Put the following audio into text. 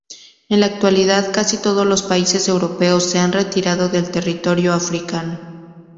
En la actualidad, casi todos los países europeos se han retirado de territorio africano.